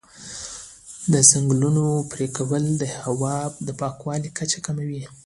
د ځنګلونو پرېکول د هوا د پاکوالي کچه کموي.